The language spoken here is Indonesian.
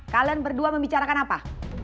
kalian berdua membicarakan apa